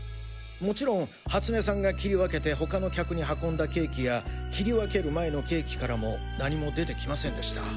もちろん初根さんが切り分けて他の客に運んだケーキや切り分ける前のケーキからも何も出てきませんでした。